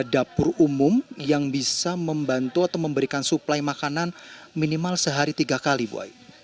dapur umum yang bisa membantu atau memberikan suplai makanan minimal sehari tiga kali bu ai